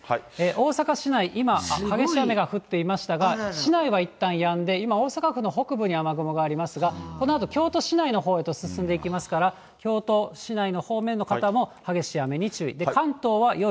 大阪市内、今、激しい雨が降っていましたが、市内はいったんやんで、今、大阪府の北部に雨雲がありますが、このあと京都市内のほうへと進んでいきますから、京都市内の方面の方も、激しい雨に注意。